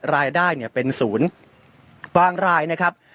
รายได้เป็นศูนย์บางรายนะครับ